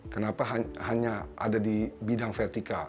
kenapa hanya ada di bidang vertikal